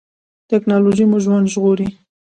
ټیکنالوژي مو ژوند ژغوري